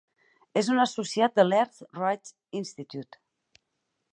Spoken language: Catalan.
És un associat de l'Earth Rights Institute.